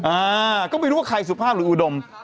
อ่าก็ไม่รู้ว่าใครสุภาพหรืออุดม